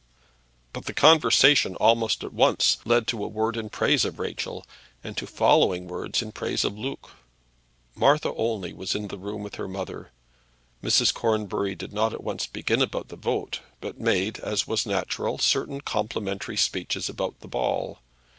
But the conversation, almost at once, led to a word in praise of Rachel, and to following words in praise of Luke. Martha only was in the room with her mother. Mrs. Cornbury did not at once begin about the vote, but made, as was natural, certain complimentary speeches about the ball.